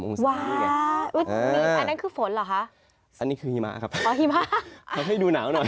อันนั้นคือฝนเหรอคะอันนี้คือหิมะครับอ๋อหิมะเอาให้ดูหนาวหน่อย